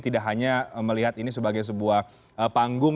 tidak hanya melihat ini sebagai sebuah panggung